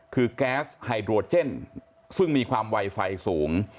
คือแก๊สไฮโดรเจนซึ่งมีความไวไฟสูง